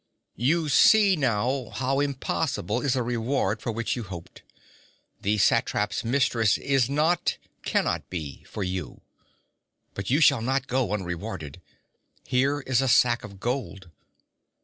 'You see now how impossible is the reward for which you hoped. The satrap's mistress is not cannot be for you. But you shall not go unrewarded. Here is a sack of gold.'